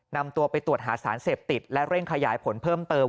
นำตัวไปตรวจหาสารเสพติดและเร่งขยายผลเพิ่มเติม